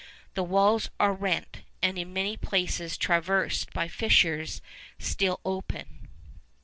The walls are rent, and in many places traversed by fissures still open.